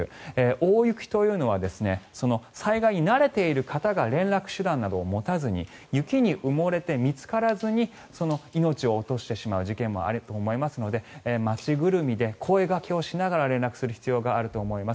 大雪というのは災害に慣れている方が連絡手段などを持たずに雪に埋もれて見つからずに命を落としてしまう事件もあると思いますので街ぐるみで声掛けをしながら連絡する必要があると思います。